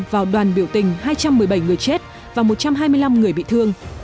vào đoàn biểu tình hai trăm một mươi bảy người chết và một trăm hai mươi năm người bị thương